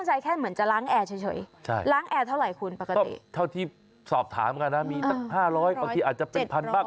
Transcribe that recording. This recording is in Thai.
ใช่ใช่ล้างแอร์เท่าไรคุณปกติเท่าที่สอบถามกันนะมีตั้งห้าร้อยบางทีอาจจะเป็นพันบัง